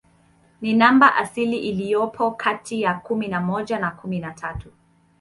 Ni namba asilia iliyopo kati ya kumi na moja na kumi na tatu.